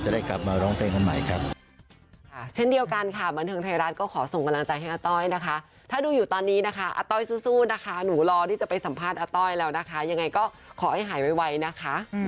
จะได้กลับมาร้องเพลงอีกครั้งหนึ่งครับ